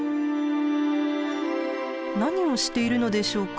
何をしているのでしょうか？